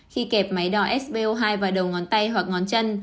khi kẹp máy đo sbo hai vào đầu ngón tay hoặc ngón chân